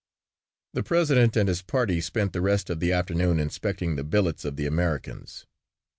'" The President and his party spent the rest of the afternoon inspecting the billets of the Americans.